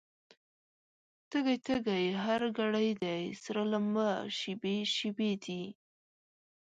تږی، تږی هر ګړی دی، سره لمبه شېبې شېبې دي